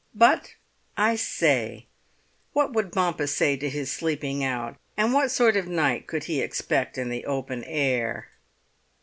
But, I say! What would Bompas say to his sleeping out, and what sort of night could he expect in the open air?